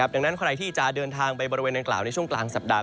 ดังนั้นใครที่จะเดินทางไปบริเวณนางกล่าวในช่วงกลางสัปดาห